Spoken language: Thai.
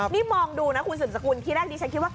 นี่มองดูนะคุณสืบสกุลที่แรกนี้ฉันคิดว่า